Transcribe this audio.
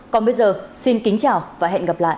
còn bây giờ xin kính chào và hẹn gặp lại